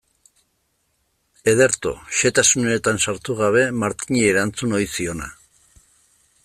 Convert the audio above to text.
Ederto, xehetasunetan sartu gabe, Martini erantzun ohi ziona.